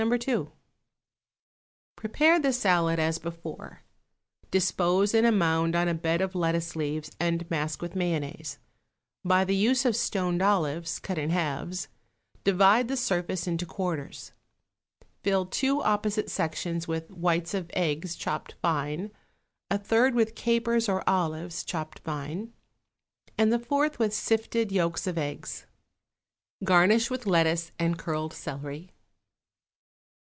2.= Prepare the salad as before; dispose in a mound on a bed of lettuce leaves and mask with mayonnaise. By the use of stoned olives, cut in halves, divide the surface into quarters. Fill two opposite sections with whites of eggs chopped fine, a third with capers or olives chopped fine, and the fourth with sifted yolks of eggs. Garnish with lettuce and curled celery.